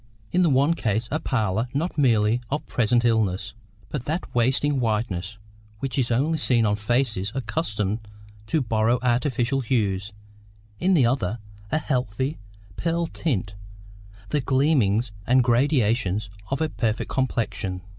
In the one case a pallor not merely of present illness, but that wasting whiteness which is only seen on faces accustomed to borrow artificial hues; in the other, a healthy pearl tint, the gleamings and gradations of a perfect complexion.